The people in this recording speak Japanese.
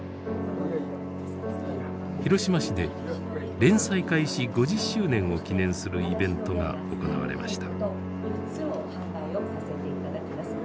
広島市で連載開始５０周年を記念するイベントが行われました。